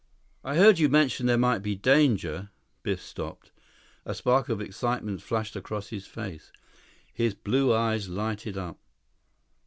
"I heard you mention there might be danger—" Biff stopped. A spark of excitement flashed across his face. His blue eyes lighted up.